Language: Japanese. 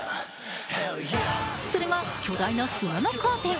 それが巨大な砂のカーテン。